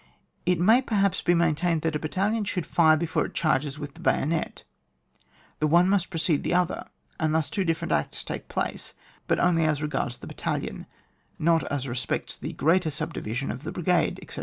It may perhaps be maintained that a battalion should fire before it charges with the bayonet ; the one must precede the other, and thus two different acts take place, but only as regards the battalion, not as respects the greater subdivision of the brigade, etc.